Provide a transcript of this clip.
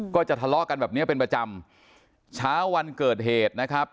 ก็จะทะเลาะกันแบบเนี้ยเป็นประจำเช้าวันเกิดเหตุนะครับ